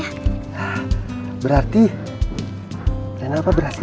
nah berarti rena apa berhasil